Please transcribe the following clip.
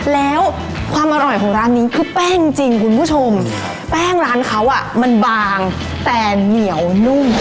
แล้วความอร่อยของร้านนี้คือแป้งจริงคุณผู้ชมแป้งร้านเขาอ่ะมันบางแต่เหนียวนุ่ม